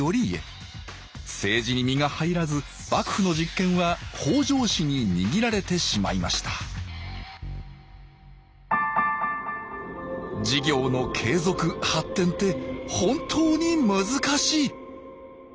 政治に身が入らず幕府の実権は北条氏に握られてしまいました事業の継続・発展って本当に難しい！